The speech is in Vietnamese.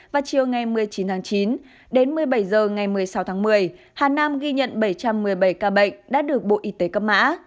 và chiều ngày một mươi chín tháng chín đến một mươi bảy h ngày một mươi sáu tháng một mươi hà nam ghi nhận bảy trăm một mươi bảy ca bệnh đã được bộ y tế cấp mã